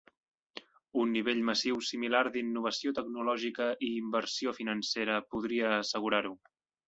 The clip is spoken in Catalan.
Un nivell massiu similar d'innovació tecnològica i inversió financera podria assegurar-ho.